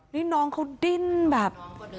นี่น้องเขาดิ้นแบบ